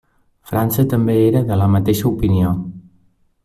França també era de la mateixa opinió.